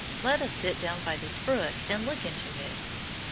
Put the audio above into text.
Let us sit down by this brook and look into it.